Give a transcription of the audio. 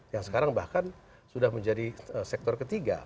yang sekarang bahkan sudah menjadi sektor ketiga